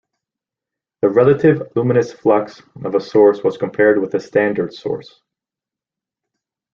The relative luminous flux of a source was compared with a standard source.